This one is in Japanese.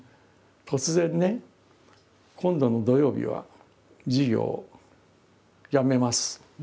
突然ね「今度の土曜日は授業をやめます。